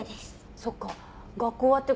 そっか。